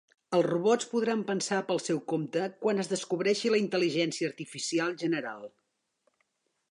Els robots podran pensar pel seu compte quan es descobreixi la intel·ligència artificial general.